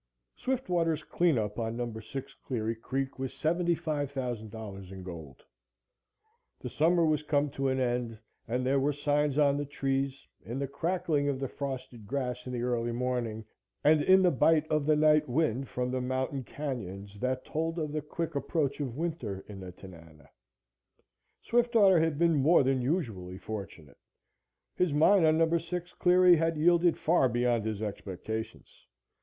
SWIFTWATER'S clean up on Number 6 Cleary Creek was $75,000 in gold. The summer was come to an end and there were signs on the trees, in the crackling of the frosted grass in the early morning and in the bite of the night wind from the mountain canyons that told of the quick approach of winter in the Tanana. Swiftwater had been more than usually fortunate. His mine on Number 6 Cleary had yielded far beyond his expectations.